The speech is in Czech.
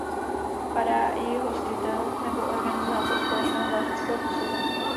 Skládá ji hostitel nebo organizátor společného básnického posezení.